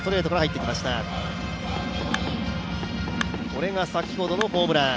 これが先ほどのホームラン。